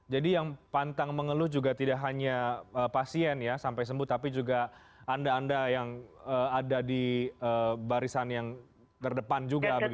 jadi yang pantang mengeluh juga tidak hanya pasien ya sampai sembuh tapi juga anda anda yang ada di barisan yang terdepan juga begitu